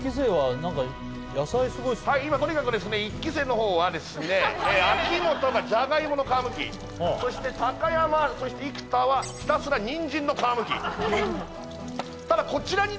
今とにかく１期生のほうは秋元がじゃがいもの皮むきそして高山生田はひたすらにんじんの皮むき。